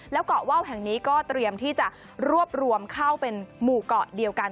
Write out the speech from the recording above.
แล้วเกาะว่าวแห่งนี้ก็เตรียมที่จะรวบรวมเข้าเป็นหมู่เกาะเดียวกัน